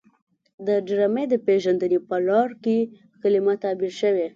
د ډرامې د پیژندنې په لړ کې کلمه تعبیر شوې.